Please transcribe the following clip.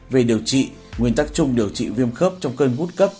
về điều trị nguyên tắc chung điều trị viêm khớp trong cơn hút cấp